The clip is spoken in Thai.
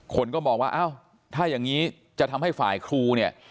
คนก็มองว่าอ้าวถ้าอย่างนี้จะทำให้ฝ่ายครูเนี่ย